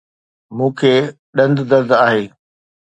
مون کي ڏند درد آهي